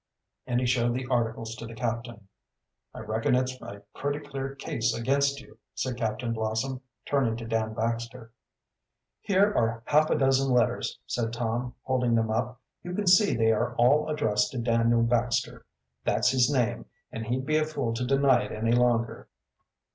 And he showed the articles to the captain. "I reckon it's a pretty clear case against you," said Captain Blossom, turning to Dan Baxter. "Here are half a dozen letters," said Tom, holding them up. "You can see they are all addressed to Daniel Baxter. That's his name, and he'd be a fool to deny it any longer."